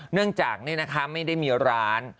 เนื่องจากไม่ได้มีร้าน